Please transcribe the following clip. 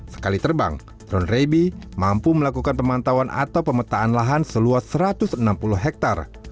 sekali terbang drone rabbie mampu melakukan pemantauan atau pemetaan lahan seluas satu ratus enam puluh hektare